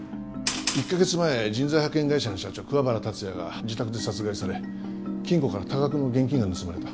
１カ月前人材派遣会社の社長桑原達也が自宅で殺害され金庫から多額の現金が盗まれた。